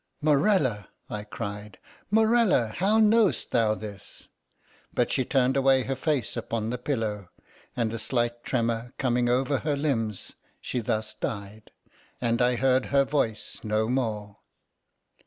"Morella!" I cried, "Morella! how knowest thou this?" but she turned away her face upon the pillow and a slight tremor coming over her limbs, she thus died, and I heard her voice no more.